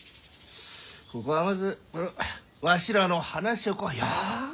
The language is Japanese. ここはまずわしらの話をよく聞いて。